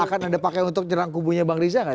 akan ada pakai untuk nyerang kubunya bang riza kan